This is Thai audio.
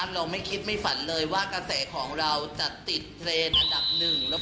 เราไม่คิดไม่ฝันเลยว่ากระแสของเราจะติดเทรนด์อันดับหนึ่ง